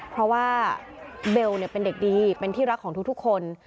เพราะว่าเบลเป็นเด็กดีเป็นที่รักของทุกคน